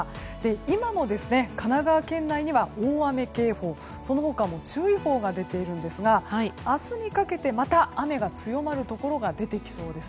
今の神奈川県内には大雨警報その他も注意報が出ているんですが明日にかけてまた雨が強まるところが出てきそうです。